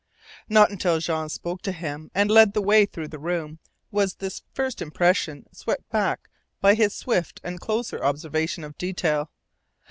Not until Jean spoke to him, and led the way through the room, was this first impression swept back by his swift and closer observation of detail.